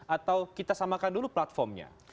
atau kita samakan dulu platformnya